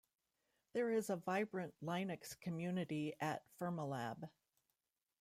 There is a vibrant Linux community at Fermilab.